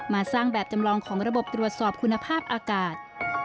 สร้างแบบจำลองของระบบตรวจสอบคุณภาพอากาศ